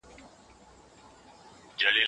استاد د څيړني اصول بیا تشریح کوي.